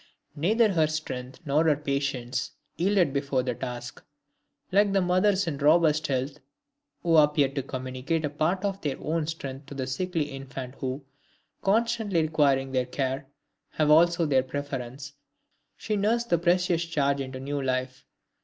Neither her strength, nor her patience, yielded before the task. Like the mothers in robust health, who appear to communicate a part of their own strength to the sickly infant who, constantly requiring their care, have also their preference, she nursed the precious charge into new life.